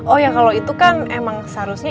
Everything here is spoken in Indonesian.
oh ya kalau itu kan emang seharusnya